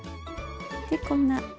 でこんな。